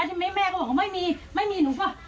แล้วทีนี้แม่ก็บอกว่าไม่มีหนูก็